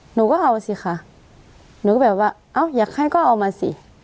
หนูก็เอาสิค่ะหนูก็แบบว่าเอ้าอยากให้ก็เอามาสิ